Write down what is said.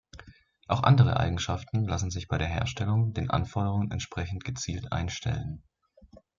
Auch andere Eigenschaften lassen sich bei der Herstellung den Anforderungen entsprechend gezielt einstellen.